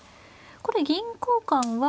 これ銀交換は。